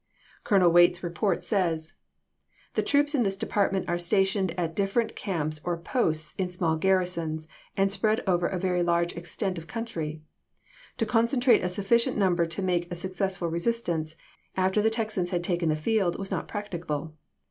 Colonel Waite's report says : The troops in this department are stationed at different camps or posts in small garrisons, and spread over a very large extent of conntry. To concentrate a sufficient num ber to make a successful resistance, after the Texans had taken the field, was not practicable.